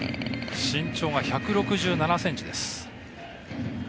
身長が１６７ｃｍです。